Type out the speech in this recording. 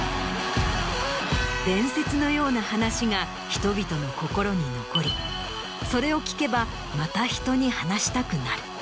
伝説のような話が人々の心に残りそれを聞けばまたひとに話したくなる。